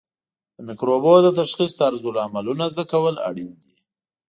د مکروبونو د تشخیص طرزالعملونه زده کول اړین دي.